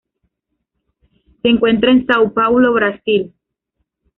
Se encuentra en Sao Paulo en Brasil.